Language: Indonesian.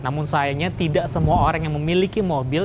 namun sayangnya tidak semua orang yang memiliki mobil